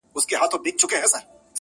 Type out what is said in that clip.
د نیکه او د بابا په کیسو پايي!.